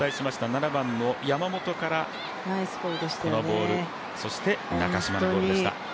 ７番の山本からのボール、そして中嶋のゴールでした。